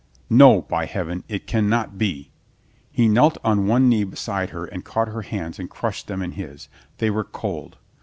"No, by Heaven, it can not be!" He knelt on one knee beside her and caught her hands and crushed them in his. They were cold.